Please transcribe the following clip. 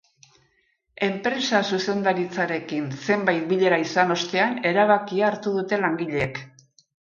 Enpresa-zuzendaritzarekin zenbait bilera izan ostean erabakia hartu dute langileek.